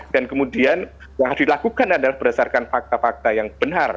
dan kemudian yang harus dilakukan adalah berdasarkan fakta fakta yang benar